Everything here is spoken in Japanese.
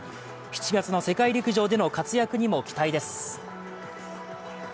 ７月の世界陸上での活躍にも期待です。